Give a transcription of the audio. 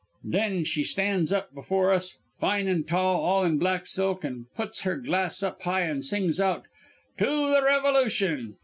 Then she stands up there before us, fine an' tall, all in black silk, an' puts her glass up high an' sings out "'To the Revolution!'